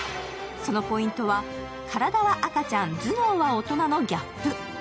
そのポイントは、体は赤ちゃん、頭脳は大人のギャップ。